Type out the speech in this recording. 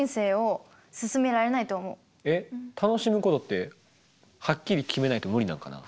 えっ楽しむことってはっきり決めないと無理なのかな？